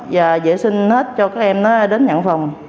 và dễ sinh hết cho các em đến nhận phòng